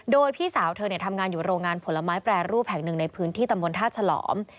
โดยพี่สาวเธอทำงานอยู่โรงงานผลไม้แปรรูปแห่งหนึ่งในพื้นที่ตำบลท่าฉลอม